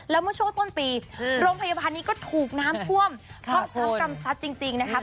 แล้วเมื่อโชคต้นปีอืมโรงพยาบาลนี้ก็ถูกน้ำท่วมขอบคุณพร้อมกำซัดจริงจริงนะคะ